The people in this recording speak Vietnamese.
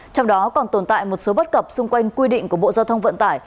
trong đó còn tồn tại một số bất cập xung quanh quy định của bộ giao thông vận tải